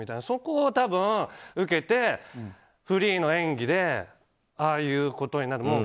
そこを多分受けてフリーの演技でああいうことになる。